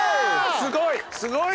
すごい！